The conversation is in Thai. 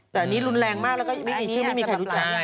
แต่อันนี้รุนแรงมากแล้วก็ไม่มีชื่อไม่มีใครรู้จัก